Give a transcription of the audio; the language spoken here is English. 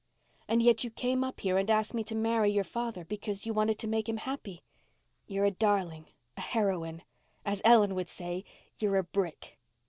And yet you came up here and asked me to marry your father because you wanted to make him happy? You're a darling—a heroine—as Ellen would say, you're a brick.